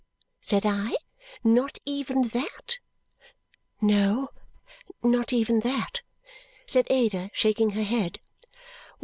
said I. "Not even that?" "No, not even that!" said Ada, shaking her head.